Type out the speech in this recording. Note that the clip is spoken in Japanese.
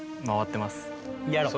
やろう。